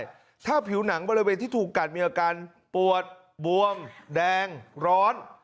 ถ้าผิวหนังบริเวณที่ถูกกัดมีอาการปวดบวมแดงร้อน